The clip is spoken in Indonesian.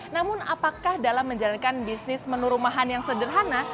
namun apakah dalam menjalankan bisnis menu rumahan yang sederhana